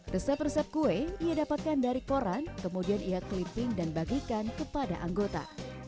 resep resep kue ia dapatkan dari koran kemudian ia clipping dan bagikan kepada anggota